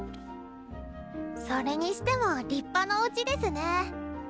それにしても立派なおうちですね。